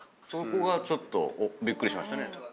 そこがちょっとびっくりしましたね。